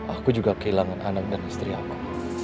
aku juga kehilangan anak dan istri aku